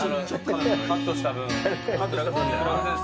カットした分。